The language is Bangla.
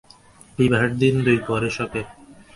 বিবাহের দিন দুই পরে শখের থিয়েটার উপলক্ষে আবার খুব হৈ চৈ!